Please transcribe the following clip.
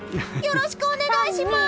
よろしくお願いします！